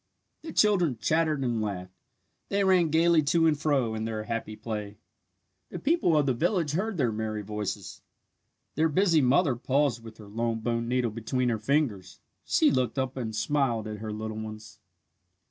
The children chattered and laughed. They ran gaily to and fro in their happy play. The people of the village heard their merry voices. Their busy mother paused with her long bone needle between her fingers. She looked up and smiled at her little ones.